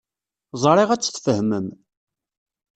Ẓriɣ ad tt-tfehmem.